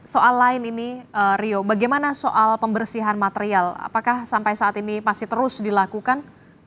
soal lain ini rio bagaimana soal pembersihan material apakah sampai saat ini masih terus dilakukan